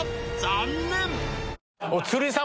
残念］